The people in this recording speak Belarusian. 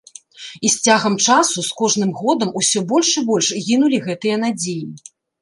І з цягам часу, з кожным годам усё больш і больш гінулі гэтыя надзеі.